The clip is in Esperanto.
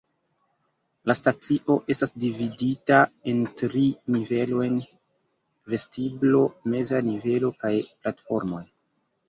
La stacio estas dividita en tri nivelojn: vestiblo, meza nivelo kaj platformoj.